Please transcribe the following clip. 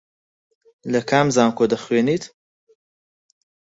لە کام زانکۆ دەخوێنیت؟